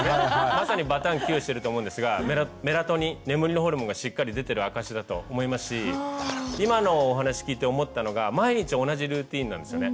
まさにバタンキューしてると思うんですがメラトニン眠りのホルモンがしっかり出てる証しだと思いますし今のお話聞いて思ったのが毎日同じルーティンなんですよね。